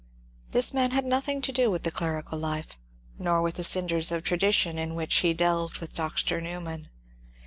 This man had no thing to do with the clerical life, nor with the cinders of tradi tion in which he delved with Dr. Newman.